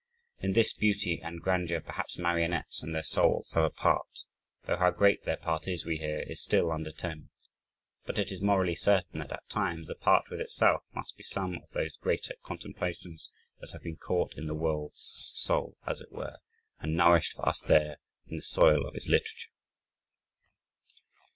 In this beauty and grandeur perhaps marionettes and their souls have a part though how great their part is, we hear, is still undetermined; but it is morally certain that, at times, a part with itself must be some of those greater contemplations that have been caught in the "World's Soul," as it were, and nourished for us there in the soil of its literature.